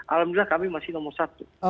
alhamdulillah kami masih nomor satu